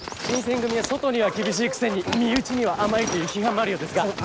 新選組は外には厳しいくせに身内には甘いという批判もあるようですが。